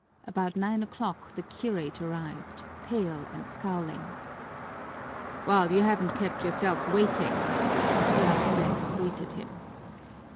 About nine o'clock the curate arrived, pale and scowling. "Well, you haven't kept yourself waiting!" the alferez greeted him.